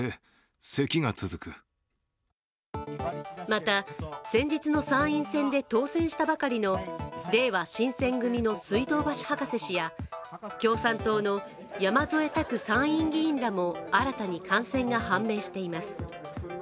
また、先日の参院選で当選したばかりのれいわ新選組の水道橋博士氏や共産党の山添拓参院議員らも新たに感染が判明しています。